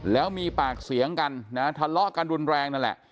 แล้วมีปากเสียงกันนะทะเลาะกันรุนแรงนั่นแหละ